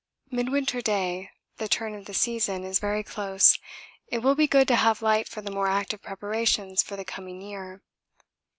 Midwinter Day, the turn of the season, is very close; it will be good to have light for the more active preparations for the coming year.